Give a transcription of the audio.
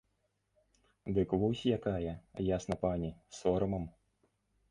Дык вось якая, ясна пані, з сорамам!